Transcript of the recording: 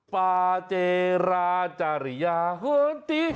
ปาเจราจาริยาเหินตี